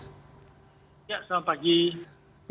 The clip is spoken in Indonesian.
ya selamat pagi